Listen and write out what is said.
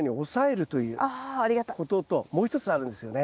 ことともう一つあるんですよね。